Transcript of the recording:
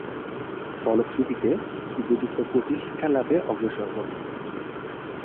ফলশ্রুতিতে, উপযুক্ত কোচিং শিক্ষা লাভে অগ্রসর হন।